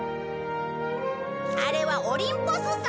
あれはオリンポス山。